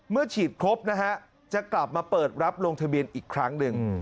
ฉีดครบนะฮะจะกลับมาเปิดรับลงทะเบียนอีกครั้งหนึ่ง